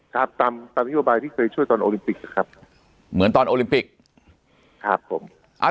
ครับตามตามนโยบายที่เคยช่วยตอนโอลิมปิกนะครับเหมือนตอนโอลิมปิกครับผม